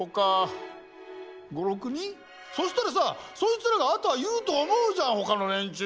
そしたらさそいつらがあとは言うと思うじゃんほかの連中に。